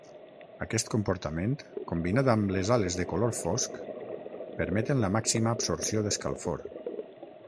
Aquest comportament, combinat amb les ales de color fosc, permeten la màxima absorció d'escalfor.